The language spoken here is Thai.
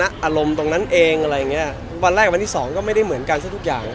อารมณ์ตรงนั้นเองวันแรกวันที่สองก็ไม่เหมือนกันซักทุกอย่าง